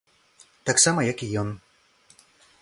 Таксама, як і ён.